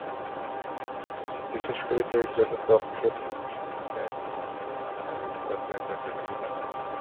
বিশেষ করে, দরিদ্রদের পক্ষে বন্যার সময়টায় জীবনধারণ অমানবিক পর্যায়ে পর্যবসিত হয়।